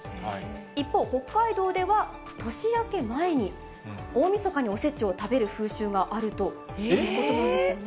一方、北海道では年明け前に、大みそかにおせちを食べる風習があるということなんですよね。